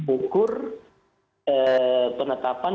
ukur penetapan kenaikan upah